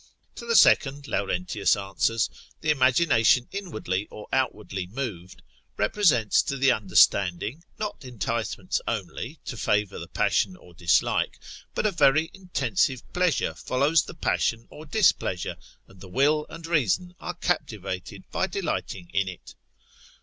To the second, Laurentius answers, the imagination inwardly or outwardly moved, represents to the understanding, not enticements only, to favour the passion or dislike, but a very intensive pleasure follows the passion or displeasure, and the will and reason are captivated by delighting in it.